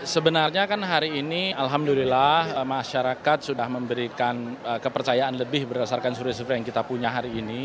sebenarnya kan hari ini alhamdulillah masyarakat sudah memberikan kepercayaan lebih berdasarkan survei survei yang kita punya hari ini